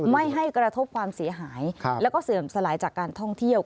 ไม่ให้กระทบความเสียหายแล้วก็เสื่อมสลายจากการท่องเที่ยว